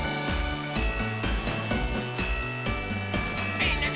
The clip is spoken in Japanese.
みんなで。